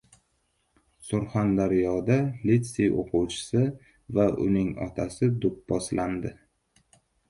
Surxondaryoda lisey o‘quvchisi va uning otasi do‘pposlandi